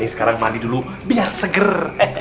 sekarang mandi dulu biar seger